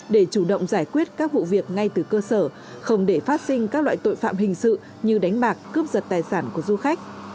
để chủ động giải quyết các vụ việc ngay từ cơ sở không để phát sinh các loại tội phạm hình sự như đánh bạc cướp giật tài sản của du khách